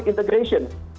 yang kedua adalah ekonomi